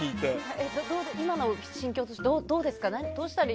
今の心境としてどうですか。